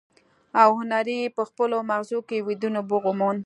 او هنري په خپلو ماغزو کې ويده نبوغ وموند.